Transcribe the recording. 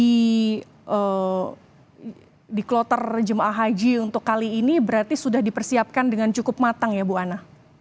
di kloter jemaah haji untuk kali ini berarti sudah dipersiapkan dengan cukup matang ya bu anna